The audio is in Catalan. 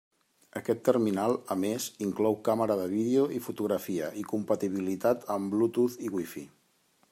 Aquest terminal a més inclou càmera de vídeo i fotografia i compatibilitat amb Bluetooth i Wifi.